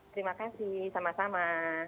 terima kasih sama sama